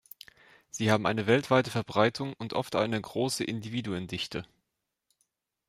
Sie haben eine weltweite Verbreitung und oft eine große Individuendichte.